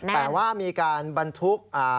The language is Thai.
แต่ว่ามีการบรรทุก